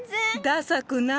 ダサくない！